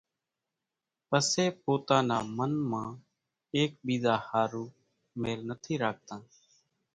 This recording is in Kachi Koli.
پسي پوتا نا من مان ايڪ ٻيزا ۿارُو ميل نٿي راکتان